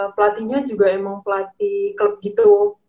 pelatihnya juga emang pelatih klub gitu